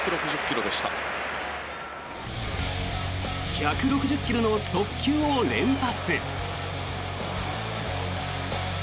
１６０ｋｍの速球を連発。